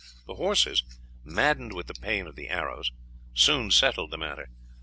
The horses, maddened with the pain of the arrows, soon settled the matter.